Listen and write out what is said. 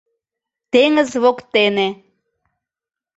Теҥыз воктене